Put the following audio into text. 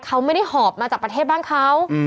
เขาไม่ได้หอบมาจากประเทศบ้านเขา